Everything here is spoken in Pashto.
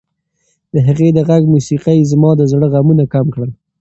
د هغې د غږ موسیقۍ زما د زړه غمونه کم کړل.